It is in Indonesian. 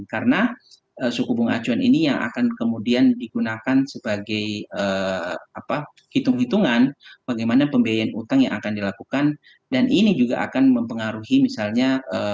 karena suku bunga acuan ini yang akan kemudian digunakan sebagai hitung hitungan bagaimana pembiayaan utang yang akan dilakukan dan ini juga akan mempengaruhi misalnya